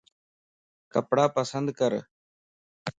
ڪپڙا پسند ڪر